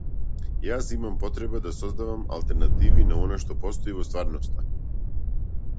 Јас имам потреба да создавам алтернативи на она што постои во стварноста.